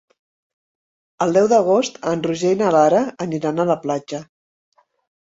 El deu d'agost en Roger i na Lara aniran a la platja.